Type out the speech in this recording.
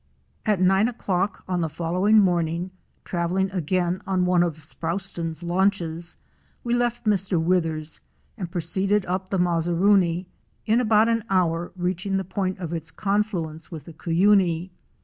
At nine o'clock on the following morning, travelling again on one of Sproston's launches, we left Mr. Withers and proceeded up the Mazaruni, in about an hour reaching the point of its confluence with the Cuyuni.